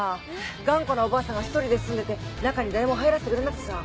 頑固なおばあさんが一人で住んでて中に誰も入らせてくれなくてさ。